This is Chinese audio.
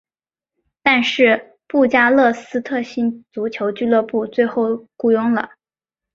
但是布加勒斯特星足球俱乐部最后雇佣了。